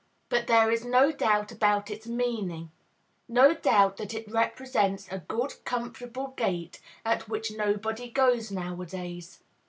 But there is no doubt about its meaning; no doubt that it represents a good, comfortable gait, at which nobody goes nowadays.